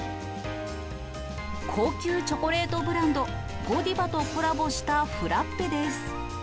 高級チョコレートブランド、ゴディバとコラボしたフラッペです。